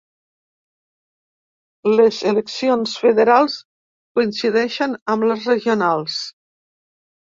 Les eleccions federals coincideixen amb les regionals.